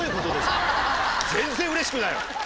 全然うれしくないわ。